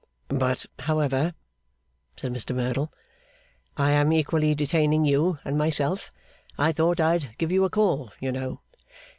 'But, however,' said Mr Merdle, 'I am equally detaining you and myself. I thought I'd give you a call, you know.